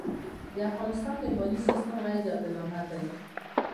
د افغانستان د مالیې سېستم غیرې عادلانه دی.